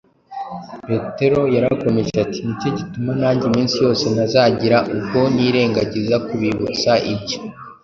Petero yarakomeje ati: « Ni cyo gituma nanjye iminsi yose ntazagira ubwo nirengagiza kubibutsa ibyo